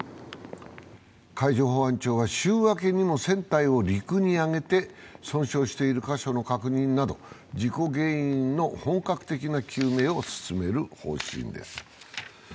海上保安庁は週明けにも船体を陸に揚げて、損傷している箇所の確認など事故原因の本格的な究明を進める方針です。